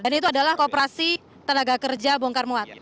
dan itu adalah koperasi tenaga kerja bongkar muat